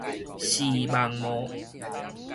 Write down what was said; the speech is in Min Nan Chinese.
視網膜